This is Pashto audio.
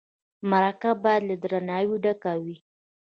مرکه باید له درناوي ډکه وي.